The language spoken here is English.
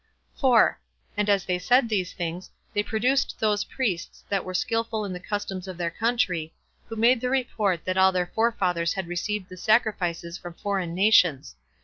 4. And as they said these things, they produced those priests that were skillful in the customs of their country, who made the report that all their forefathers had received the sacrifices from foreign nations.